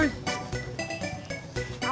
masih seneng apa